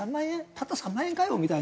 たった３万円かよみたいな。